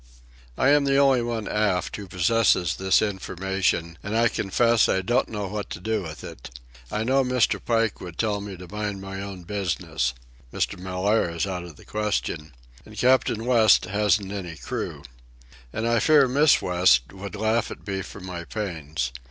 I am the only one aft who possesses this information, and I confess I don't know what to do with it. I know that Mr. Pike would tell me to mind my own business. Mr. Mellaire is out of the question. And Captain West hasn't any crew. And I fear Miss West would laugh at me for my pains.